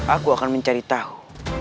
aku akan mencari tahu